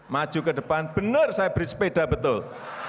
maju ke depan benar saya beri sepeda betul